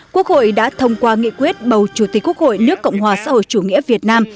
quốc hội đã thông qua nghị quyết bầu chủ tịch quốc hội nước cộng hòa xã hội chủ nghĩa việt nam